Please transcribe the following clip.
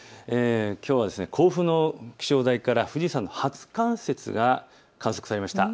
きょうは甲府の気象台から富士山の初冠雪が観測されました。